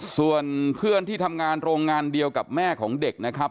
ส่วนเพื่อนที่ทำงานโรงงานเดียวกับแม่ของเด็กนะครับ